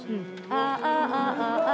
「ああ」。